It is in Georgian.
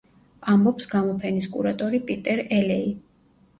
ამბობს გამოფენის კურატორი პიტერ ელეი.